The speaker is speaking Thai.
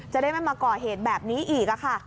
จะได้ไม่มาก่อเหตุแบบนี้อีกค่ะ